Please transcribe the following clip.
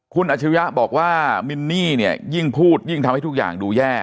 คุณอาชิริยะบอกว่ามินนี่เนี่ยยิ่งพูดยิ่งทำให้ทุกอย่างดูแย่